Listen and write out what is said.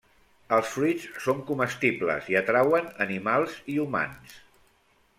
Els fruits són comestibles i atrauen animals i humans.